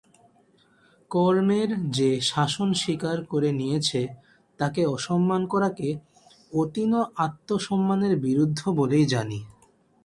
কর্মের যে-শাসন স্বীকার করে নিয়েছে তাকে অসম্মান করাকে অতীন আত্মসম্মানের বিরুদ্ধ বলেই জানে।